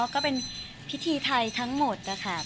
ก็เป็นพิธีไทยทั้งหมดนะคะ